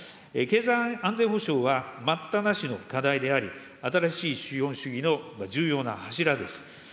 経済安全保障は待ったなしの課題であり、新しい資本主義の重要な柱です。